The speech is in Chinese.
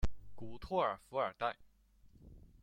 古托尔弗尔代。